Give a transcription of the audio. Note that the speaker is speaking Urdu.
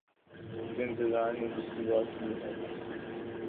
یہ جو انتظار نے دوسری بات کی ہے۔